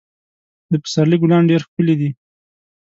د پسرلي ګلان ډېر ښکلي دي.